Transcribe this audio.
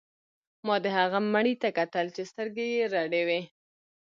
ما د هغه مړي ته کتل چې سترګې یې رډې وې